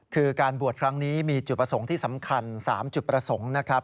คือการบวชครั้งนี้มีจุดประสงค์ที่สำคัญ๓จุดประสงค์นะครับ